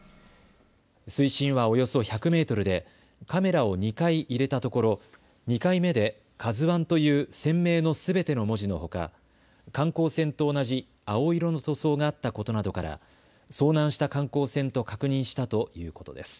水深はおよそ１００メートルでカメラを２回入れたところ２回目でＫＡＺＵＩという船名のすべての文字のほか観光船と同じ青色の塗装があったことなどから遭難した観光船と確認したということです。